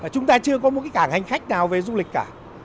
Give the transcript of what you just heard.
chúng ta chưa có một cảng hành khách nào về du lịch cả